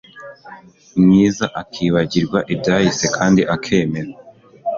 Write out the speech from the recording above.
mwiza, akibagirwa ibyahise kandi akemera